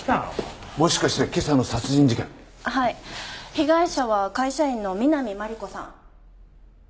被害者は会社員の南真理子さん。